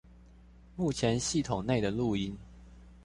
目前系統內的錄音